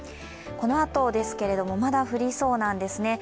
このあとですけど、まだ降りそうなんですよね。